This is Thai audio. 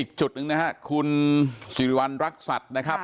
จุดหนึ่งนะครับคุณสิริวัณรักษัตริย์นะครับ